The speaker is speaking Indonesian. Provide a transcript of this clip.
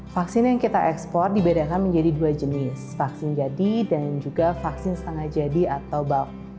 vaksin yang kita ekspor dibedakan menjadi dua jenis vaksin jadi dan juga vaksin setengah jadi atau bulk